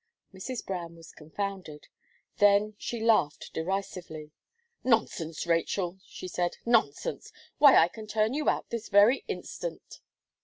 Mrs. Brown was confounded then she laughed derisively. "Nonsense, Rachel," she said, "nonsense. Why, I can turn you out, this very instant."